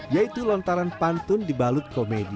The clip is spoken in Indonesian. yaitu lontaran pantun dibalut komedi